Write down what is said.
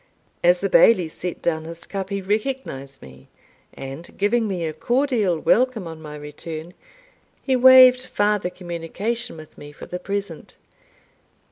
As the Bailie set down his cup he recognised me, and giving me a cordial welcome on my return, he waived farther communication with me for the present.